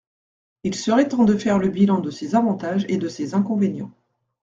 Il serait temps de faire le bilan de ses avantages et de ses inconvénients.